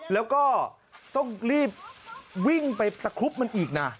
แล้วก็ต้องรีบวิ่งไปตะครุบมันอีกนะ